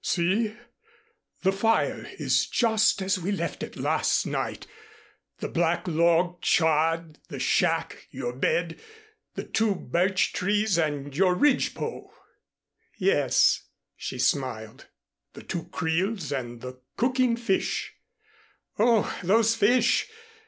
"See, the fire is just as we left it last night; the black log charred, the shack, your bed, the two birch trees and your ridgepole." "Yes," she smiled. "The two creels and the cooking fish " "Oh, those fish!